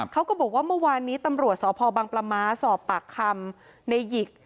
เขาก็บอกว่าเมื่อวานนี้ตำรวจสพบังปลาม้าสอบปากคำในหยิก